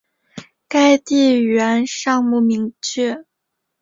该地语源尚不明确。